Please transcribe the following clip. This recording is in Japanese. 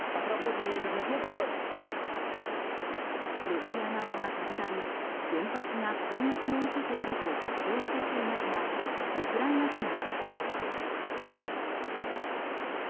ロシア側は度々原発が攻撃を受けていると発表してきていますがウクライナ軍は否定しています。